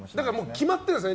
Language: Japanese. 決まってるんですね。